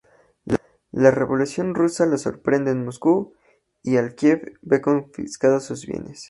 La Revolución rusa lo sorprende en Moscú y Alekhine ve confiscados sus bienes.